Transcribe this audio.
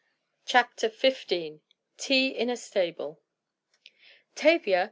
CHAPTER XV TEA IN A STABLE "Tavia!"